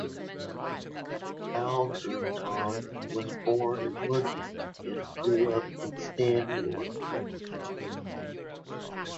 Alderton was born in London and grew up in Stanmore.